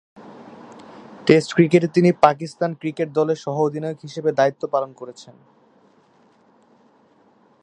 Test ক্রিকেটে তিনি Pakistan cricket দলের সহ-অধিনায়ক হিসেবে দায়িত্ব পালন করছেন।